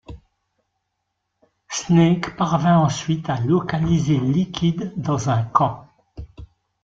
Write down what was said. Snake parvient ensuite à localiser Liquid dans un camp.